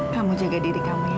kamu jaga diri kamu ya